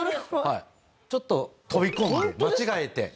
ちょっと飛び込んで間違えて飛び込んで。